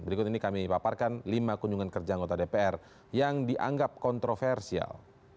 berikut ini kami paparkan lima kunjungan kerja anggota dpr yang dianggap kontroversial